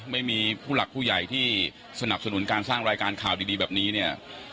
ไม่มีผู้หลักผู้ใหญ่ที่สนับสนุนการสร้างรายการข่าวดีแบบนี้เนี่ย